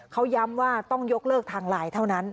เขาย้ำว่าต้องยกเลิกทางไลน์เท่านั้น